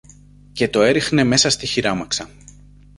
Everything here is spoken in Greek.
και το έριχνε μέσα στη χειράμαξα.